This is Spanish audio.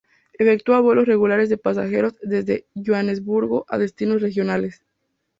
Efectúa vuelos regulares de pasajeros desde Johannesburgo a destinos regionales.